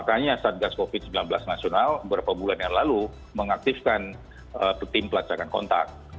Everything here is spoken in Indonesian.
pembelajaran nasional beberapa bulan yang lalu mengaktifkan tim pelacakan kontak